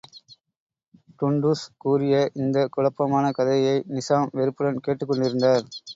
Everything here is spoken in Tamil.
டுன்டுஷ் கூறிய இந்தக் குழப்பமான கதையை நிசாம், வெறுப்புடன் கேட்டுக் கொண்டிருந்தார்.